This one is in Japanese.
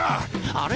あれ？